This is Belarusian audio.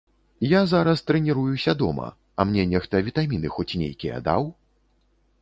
Я зараз трэніруюся дома, а мне нехта вітаміны хоць нейкія даў?